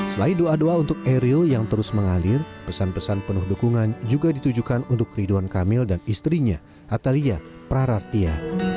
selain doa doa untuk eril yang terus mengalir pesan pesan penuh dukungan juga ditujukan untuk ridwan kamil dan istrinya atalia praratia